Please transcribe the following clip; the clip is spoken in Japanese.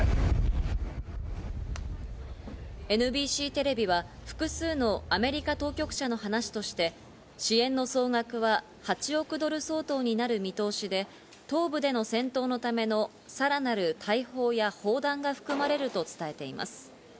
ＮＢＣテレビは複数のアメリカ当局者の話として支援の総額は８億ドル相当になる見通しで、東部での戦闘のための、さらなる大砲や砲弾が含まれると伝えています。